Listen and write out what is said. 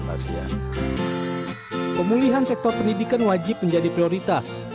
pemulihan sektor pendidikan wajib menjadi prioritas